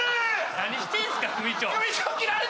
何してんすか、組長。